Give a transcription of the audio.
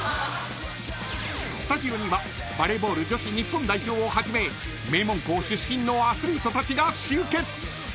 ［スタジオにはバレーボール女子日本代表をはじめ名門校出身のアスリートたちが集結！］